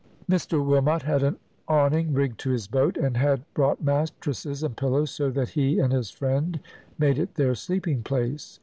Mr Wilmot had an awning rigged to his boat, and had brought mattresses and pillows, so that he and his friend made it their sleeping place.